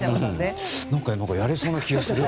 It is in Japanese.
何かやれそうな気がする。